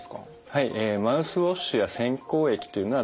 はい。